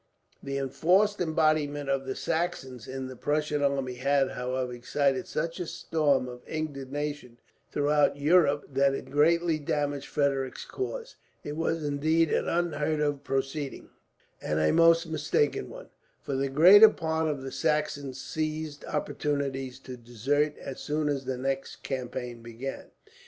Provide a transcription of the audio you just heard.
The enforced embodiment of the Saxons in the Prussian army had, however, excited such a storm of indignation throughout Europe that it greatly damaged Frederick's cause. It was indeed an unheard of proceeding, and a most mistaken one, for the greater part of the Saxons seized opportunities to desert, as soon as the next campaign began.